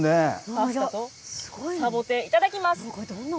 パスタとサボテンいただきます。